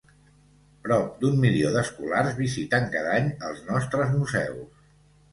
Prop d'un milió d'escolars visiten cada any els nostres museus.